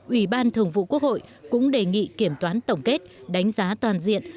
ủy ban thường vụ quốc hội cũng đề nghị kiểm toán tổng kết đánh giá toàn diện